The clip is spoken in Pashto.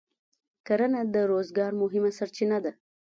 کرنه د روزګار مهمه سرچینه ده.